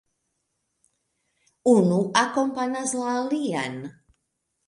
Unu akompanas la alian.